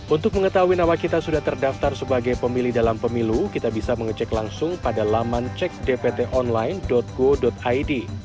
untuk mengetahui nama kita sudah terdaftar sebagai pemilih dalam pemilu kita bisa mengecek langsung pada laman cek dptonline go id